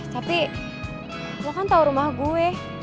tapi lo kan tau rumah gue